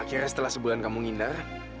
akhirnya setelah sebulan kamu ngindar